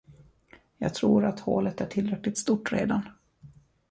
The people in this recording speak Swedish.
Jag tror, att hålet är tillräckligt stort redan.